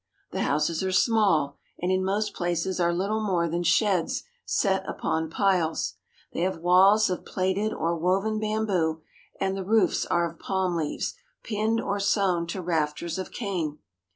The houses are small, and in most places are little more than sheds set upon piles. They have walls of plaited or woven bamboo, and the roofs are Burmese Houses. of palm leaves pinned or sewn to rafters of cane.